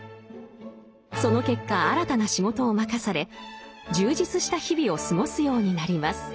その結果新たな仕事を任され充実した日々を過ごすようになります。